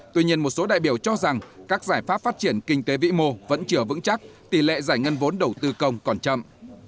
tuy nhiên một số đại biểu cho rằng các giải pháp phát triển kinh tế vĩ mô vẫn chừa vững chắc tỷ lệ giải ngân vốn đầu tư công còn chậm